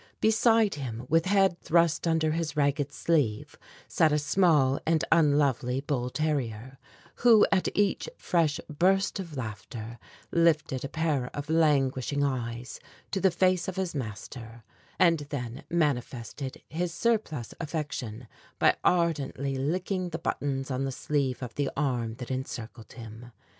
Beside him, with head thrust under his ragged sleeve, sat a small and unlovely bull terrier, who, at each fresh burst of laughter, lifted a pair of languishing eyes to the face of his master, and then manifested his surplus affection by ardently licking the buttons on the sleeve of the arm that encircled him.